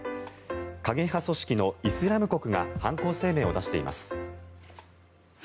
過激派組織のイスラム国が犯行声明を出しています。